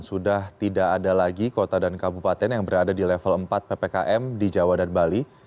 sudah tidak ada lagi kota dan kabupaten yang berada di level empat ppkm di jawa dan bali